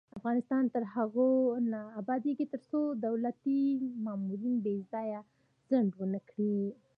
افغانستان تر هغو نه ابادیږي، ترڅو دولتي مامورین بې ځایه ځنډ ونه کړي.